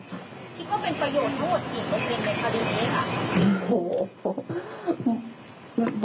ที่ก็เป็นประโยชน์รวดสี่เปอร์เซ็นต์ในคราวนี้ค่ะ